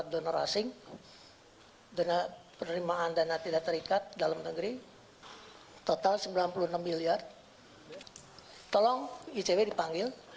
donor asing dengan penerimaan dana tidak terikat dalam negeri total sembilan puluh enam miliar tolong icw dipanggil